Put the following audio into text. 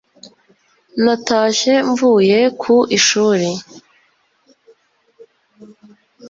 natashye mvuye ku ishuri